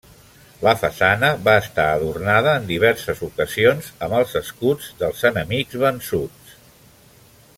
La façana va estar adornada en diverses ocasions amb els escuts dels enemics vençuts.